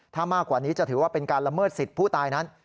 ถ้ามากกว่านี้จะถือว่าเป็นการละเมิดสิทธิ์ผู้ตายนั้น